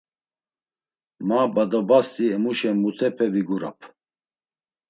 Ma badobasti emuşen mutupe vigurap.